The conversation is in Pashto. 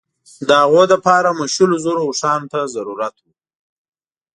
د هغوی لپاره مو شلو زرو اوښانو ته ضرورت وو.